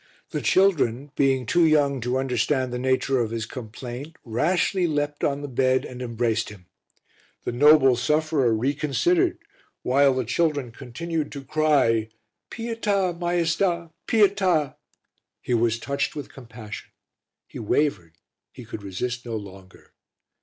The children, being too young to understand the nature of his complaint, rashly leapt on the bed and embraced him. The noble sufferer reconsidered while the children continued to cry "Pieta, Maiesta, pieta!" He was touched with compassion, he wavered, he could resist no longer.